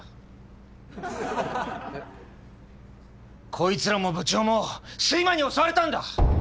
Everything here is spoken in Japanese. こいつらも部長も睡魔に襲われたんだ！